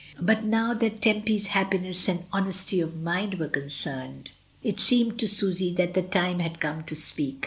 But now that Tempy's happiness and honesty of mind were concerned, it seemed to Susy that the time had come to speak.